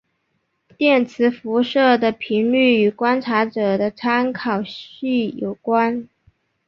电磁辐射的频率与观察者的参考系有关。